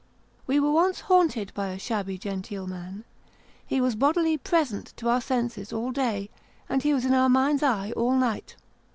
We were once haunted by a shabby genteel man ; he was bodily present to our senses all day, and he was in our mind's eye all night.